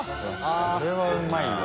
それはうまいわ。